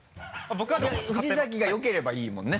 藤崎が良ければいいもんね